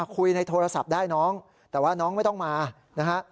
คุยในโทรศัพท์ได้น้องแต่ว่าน้องไม่ต้องมานะฮะ